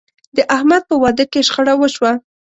د احمد په واده کې شخړه وشوه.